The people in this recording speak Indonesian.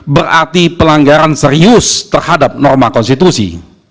berarti pelanggaran serius terhadap norma konstitusi